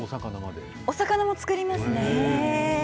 お魚でも作りますね。